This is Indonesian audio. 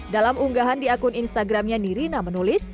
dalam unggahan di akun instagramnya nirina menulis